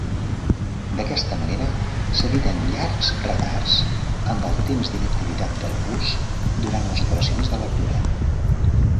D'aquesta manera s'eviten llargs retards, amb el temps d'inactivitat del bus, durant les operacions de lectura.